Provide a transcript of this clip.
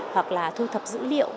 hoặc là thu thập dữ liệu